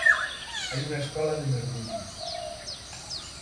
Hai unha escola de mergullo.